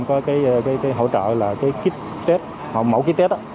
có cái hỗ trợ là cái kit test hoặc mẫu kit test